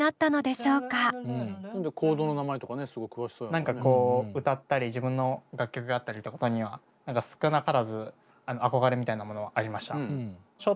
何かこう歌ったり自分の楽曲があったりってことには何か少なからず憧れみたいなものはありました。